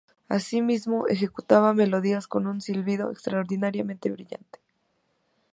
Asimismo, ejecutaba melodías con un silbido extraordinariamente brillante.